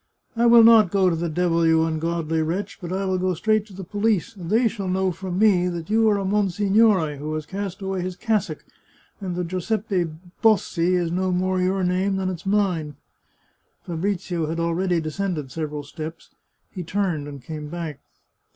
" I will not go to the devil, you ungodly wretch ! But I will go straight to the police, and they shall know from me that you are a monsignore who has cast away his cassock, and that Giuseppe Bossi is no more your name than it's mine." Fabrizio had already descended several steps ; he turned and came back.